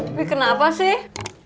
pipi kenapa sih